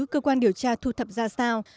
cơ quan điều tra thu thập ra sao